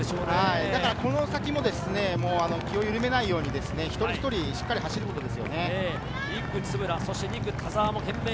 この先も気を緩めないように、一人一人しっかり走ることです。